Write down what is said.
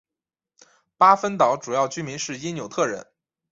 巴芬岛主要居民是因纽特人。